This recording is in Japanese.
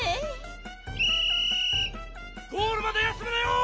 ゴールまで休むなよ！